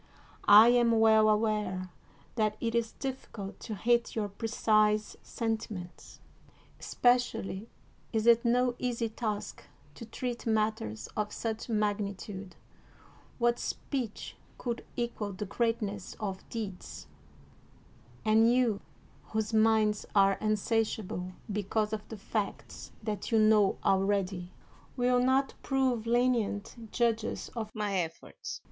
I am well aware that it is diflScult to hit your precise sentiments. Especially is it no easy task to treat matters of such magnitude — ^what speech could equal the greatness of deeds t — and you, whose minds are insatiable because of the facts that you know already, will not prove lenient judges of my efforts.